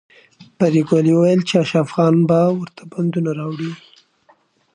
پريګلې وویل چې اشرف خان به ورته بندونه راوړي